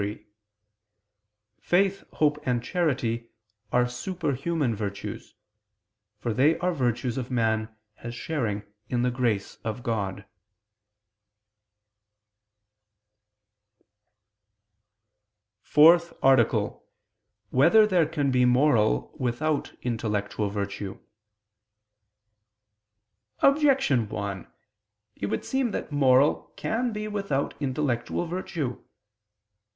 3: Faith, hope, and charity are superhuman virtues: for they are virtues of man as sharing in the grace of God. ________________________ FOURTH ARTICLE [I II, Q. 58, Art. 4] Whether There Can Be Moral Without Intellectual Virtue? Objection 1: It would seem that moral can be without intellectual virtue.